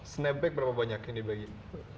snapback berapa banyak yang dibagiin